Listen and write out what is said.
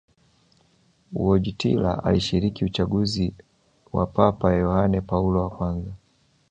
Wojtyla alishiriki uchaguzi wa Papa Yohane Paulo wa kwanza